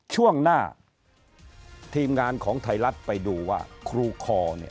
ช่วงหน้าทีมงานของไทยรัฐไปดูว่าครูคอเนี่ย